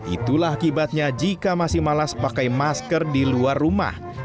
itulah akibatnya jika masih malas pakai masker di luar rumah